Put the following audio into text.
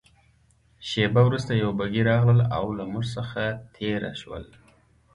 شېبه وروسته یوه بګۍ راغلل او له موږ څخه تېره شول.